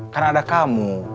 kan ada kamu